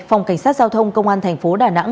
phòng cảnh sát giao thông công an thành phố đà nẵng